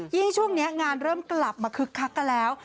ช่วงนี้งานเริ่มกลับมาคึกคักกันแล้ว